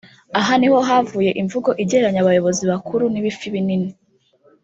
Aha ni ho havuye imvugo igereranya abayobozi bakuru n’ ‘ibifi binini’